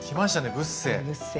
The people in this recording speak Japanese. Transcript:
ブッセ。